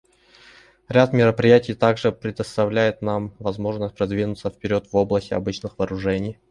Ряд мероприятий также предоставляет нам возможность продвинуться вперед в области обычных вооружений.